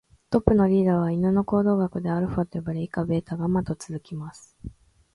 トップのリーダーは犬の行動学ではアルファと呼ばれ、以下ベータ、ガンマと続きます。